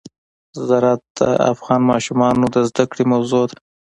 زراعت د افغان ماشومانو د زده کړې موضوع ده.